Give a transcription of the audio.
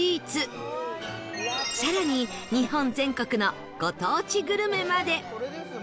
更に日本全国のご当地グルメまで